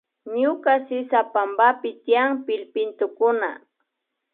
Ñuka sisapampapi tiyan pillpintukuna